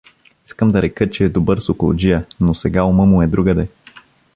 Искам да река, че е добър соколджия, но сега ума му е другаде.